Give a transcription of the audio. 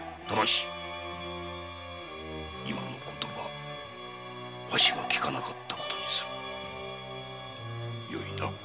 ただし今の言葉わしは聞かなかったことにするよいな。